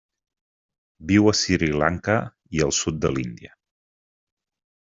Viu a Sri Lanka i el sud de l'Índia.